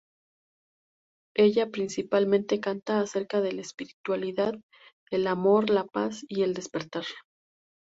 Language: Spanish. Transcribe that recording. Ella principalmente canta acerca de la espiritualidad, el amor, la paz y el despertar.